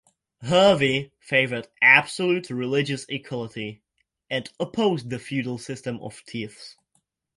Hervey favoured absolute religious equality, and opposed the feudal system of tithes.